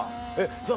じゃあ